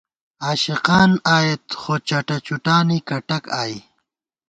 عاشقان آیېت خو چٹہ چُٹانی کٹَک آئی